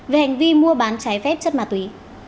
về hành vi mua bán trái phép chất mà tùy